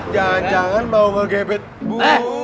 jangan jangan mau ngegebit bu